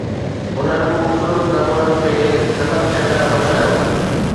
انهن خوبصورت نمونن کي ختم ٿيڻ کان بچايو